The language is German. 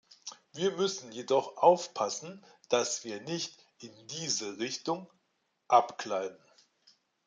Wir müssen jedoch aufpassen, dass wir nicht in diese Richtung abgleiten.